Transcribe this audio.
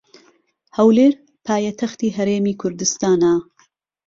هەولێر پایتەختی هەرێمی کوردستانە.